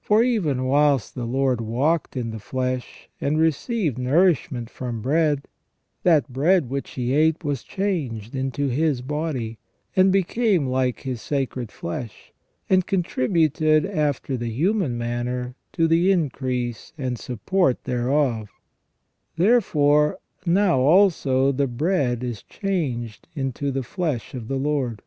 For even whilst the Lord walked in the flesh, and received nourishment from bread, that bread which He ate was changed into His body, and became like His sacred flesh, and contributed after the human manner to the increase and support thereof Therefore, now also the bread is changed into the flesh of the Lord."